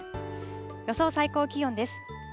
予想最高気温です。